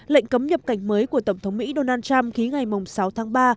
lệnh cấm nhập cảnh mới của tổng thống mỹ donald trump ký ngày sáu tháng ba